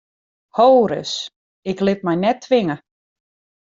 Ho ris, ik lit my net twinge!